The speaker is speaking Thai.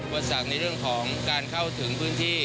สั่งในเรื่องของการเข้าถึงพื้นที่